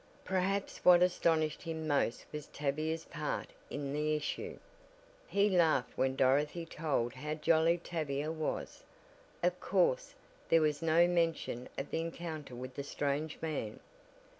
Perhaps what astonished him most was Tavia's part in the issue. He laughed when Dorothy told how jolly Tavia was. Of course, there was no mention of the encounter with the strange man.